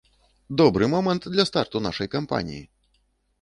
Добры момант для старту нашай кампаніі!